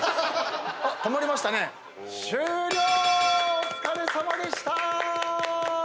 お疲れさまでした！